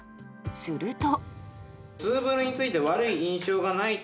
すると。